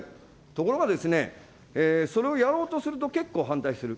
ところがですね、それをやろうとすると、結構反対してる。